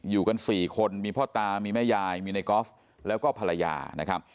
อยู่กัน๔คนมีพ่อตามีแม่ยายมีในกอล์ฟแล้วก็ภรรยานะครับ